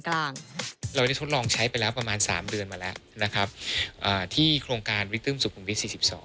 ก็ลองใช้ไปแล้วประมาณ๓เดือนมาแล้วที่โครงการวิทึ่มสุขุมวิทย์๔๒